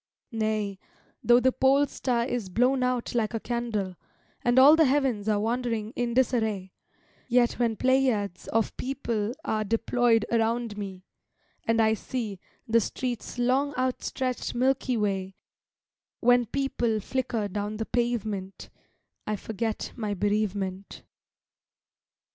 Nay, though the pole star Is blown out like a candle, And all the heavens are wandering in disarray, Yet when pleiads of people are Deployed around me, and I see The street's long outstretched Milky Way, When people flicker down the pavement, I forget my bereavement.